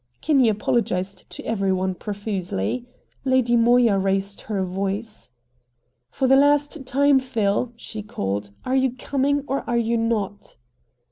Kinney apologized to every one profusely. Lady Moya raised her voice. "For the last time, Phil," she called, "are you coming or are you not?"